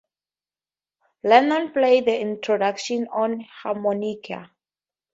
Lennon played the introduction on harmonica.